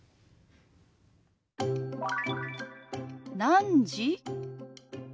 「何時？」。